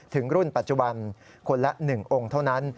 ถึงรุ่นปัจจุบันคนละ๑องค์เท่านั้น